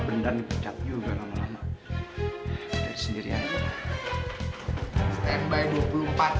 senangnya aku kalau satria bisa begini terus